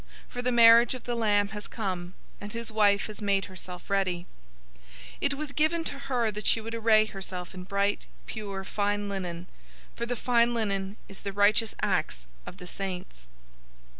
For the marriage of the Lamb has come, and his wife has made herself ready." 019:008 It was given to her that she would array herself in bright, pure, fine linen: for the fine linen is the righteous acts of the saints.